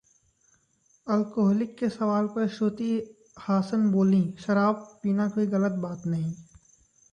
alcoholic के सवाल पर श्रुति हासन बोलीं- शराब पीना कोई गलत बात नहीं